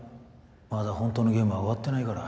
まだほんとのゲームは終わってないから。